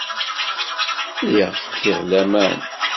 Lliɣ fkiɣ laman.